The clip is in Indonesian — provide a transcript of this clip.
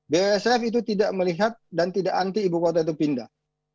bisf itu tidak melihat dan tidak anti ibu kota itu pindah